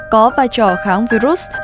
có vai trò kháng virus